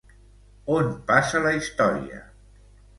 On passa la història?